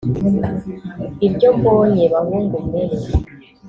Iryo mbonye (bahungu mwe